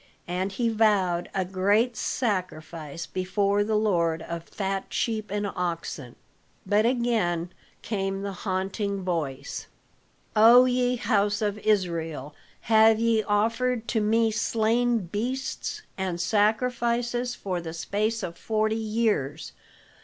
And he vowed a great sacrifice before the Lord of fat sheep and oxen. But again came the haunting voice, "O ye house of Israel, have ye offered to me slain beasts and sacrifices for the space of forty years.